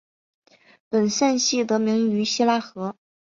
本县系得名于希拉河。